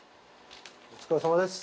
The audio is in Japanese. お疲れさまです。